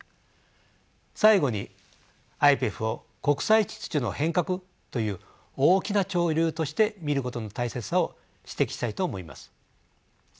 最後にＩＰＥＦを国際秩序の変革という大きな潮流として見ることの大切さを指摘したいと思います。